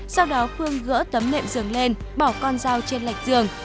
sau đó phương gỡ tấm nệm giường lên bỏ con dao trên lạch giường